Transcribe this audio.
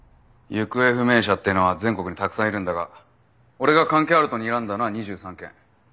行方不明者っていうのは全国にたくさんいるんだが俺が関係あるとにらんだのは２３件。